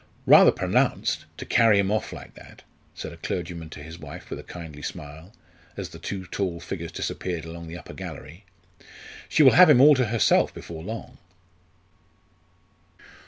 "Rather pronounced to carry him off like that," said a clergyman to his wife with a kindly smile, as the two tall figures disappeared along the upper gallery. "She will have him all to herself before long."